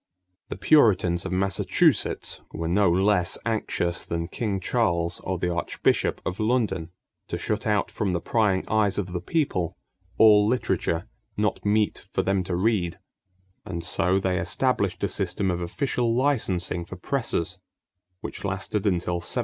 The Puritans of Massachusetts were no less anxious than King Charles or the Archbishop of London to shut out from the prying eyes of the people all literature "not mete for them to read"; and so they established a system of official licensing for presses, which lasted until 1755.